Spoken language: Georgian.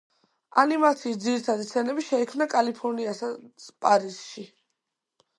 ანიმაციის ძირითადი სცენები შეიქმნა კალიფორნიასა პარიზში.